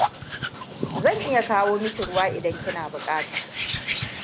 Zan iya kawo miki ruwa, idan kina buƙata.